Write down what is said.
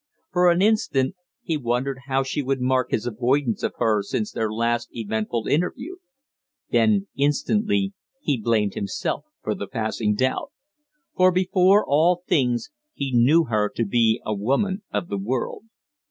For an instant he wondered how she would mark his avoidance of her since their last eventful interview; then instantly he blamed himself for the passing doubt. For, before all things, he knew her to be a woman of the world.